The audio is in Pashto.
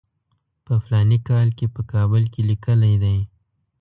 په فلاني کال کې په کابل کې لیکلی دی.